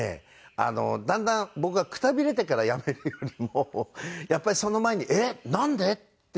だんだん僕がくたびれてからやめるよりもやっぱりその前にえっなんで？っていう時に。